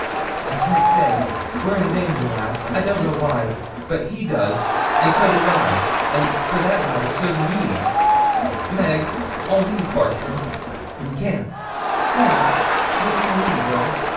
'I can't say we're in danger, lass. I don't know why but he does, an' so do I, an', for that matter, so do ye.' 'Meg, I'll leave Bartram.' 'Ye can't.' 'Can't. What do you mean, girl?'